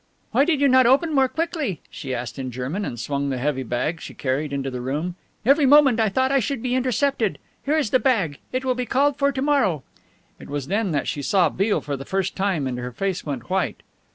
"Why did you not open more quickly?" she asked in German, and swung the heavy bag she carried into the room, "every moment I thought I should be intercepted. Here is the bag. It will be called for to morrow " It was then that she saw Beale for the first time and her face went white.